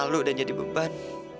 aku udah berubah